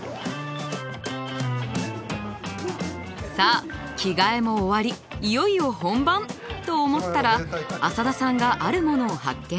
さあ着替えも終わりいよいよ本番！と思ったら浅田さんがあるものを発見。